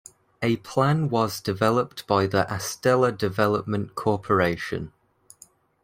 A plan was developed by the Astella Development Corporation.